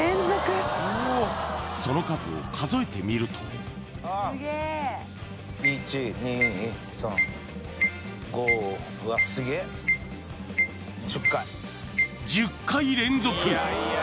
その数を数えてみると１０回連続！